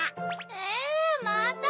えまた？